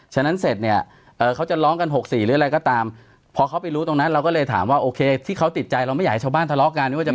ก็มกรา๖๑ใช่ค่ะมกรา๖๑เพราะฉะนั้นตั้งแต่ช่วง